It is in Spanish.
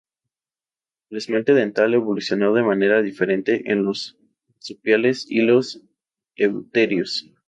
El esmalte dental evolucionó de manera diferente en los marsupiales y los euterios.